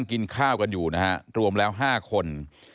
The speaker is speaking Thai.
กินข้าวกันอยู่นะฮะรวมแล้ว๕คน